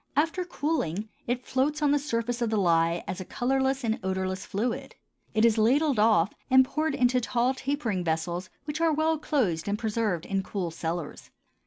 After cooling, it floats on the surface of the lye as a colorless and odorless fluid; it is ladled off and poured into tall tapering vessels which are well closed and preserved in cool cellars.